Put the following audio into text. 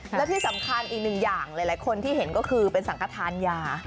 และที่สำคัญอีกหนึ่งอย่างหลายคนที่เห็นก็คือเป็นสังกฐานยา